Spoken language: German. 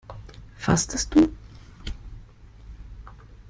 Fastest du?